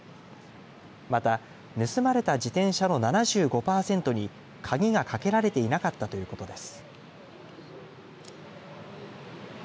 また、盗まれた自転車の７５パーセントに鍵がかけられていなかったということです。